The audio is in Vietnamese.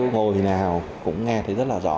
ngồi nào cũng nghe thấy rất là rõ